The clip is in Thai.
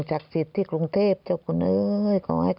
พอติดที่กรุงเทพเจ้าคุณก็ไหว